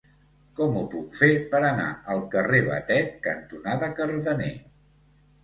Com ho puc fer per anar al carrer Batet cantonada Cardener?